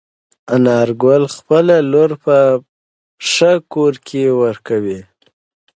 انارګل خپله لور په ښه کور کې ورکوي.